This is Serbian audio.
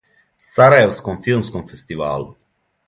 Сарајевском филмском фестивалу.